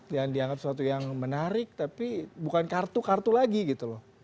jangan dianggap sesuatu yang menarik tapi bukan kartu kartu lagi gitu loh